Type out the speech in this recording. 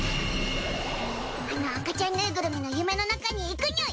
あの赤ちゃんぬいぐるみの夢の中に行くにゅい！